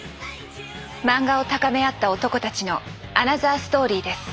漫画を高め合った男たちのアナザーストーリーです。